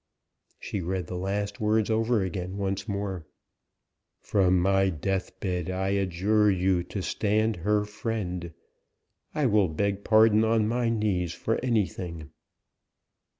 She read the last words over again, once more: "From my death bed I adjure you to stand her friend; I will beg pardon on my knees for anything."